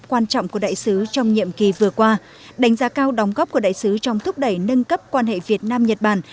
quan trọng của đại sứ trong nhiệm kỳ vừa qua đánh giá cao đóng góp của đại sứ trong thúc đẩy nâng cấp quan hệ việt nam nhật bản